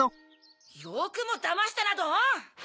よくもだましたなどん！